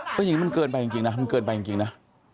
อื้มตะยิงมันเกินไปจริงนะมันเกินไปจริงนะ